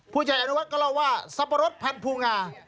ผู้ใหญ่อนุวัติก็เล่าว่าสับปะรดภัณฑ์ภูงา